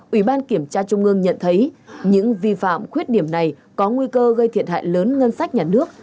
ủy ban kiểm tra trung ương nhận thấy những vi phạm khuyết điểm này có nguy cơ gây thiệt hại lớn ngân sách nhà nước